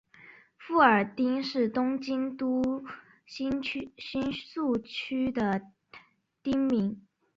富久町是东京都新宿区的町名。